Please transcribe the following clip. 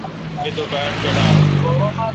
می تو باڑ کیڈال۔